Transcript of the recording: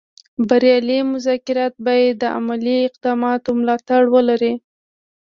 بریالي مذاکرات باید د عملي اقداماتو ملاتړ ولري